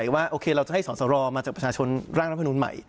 ว่าโอเคเราจะให้สอสรมาจากประชาชนร่างรัฐมนุนใหม่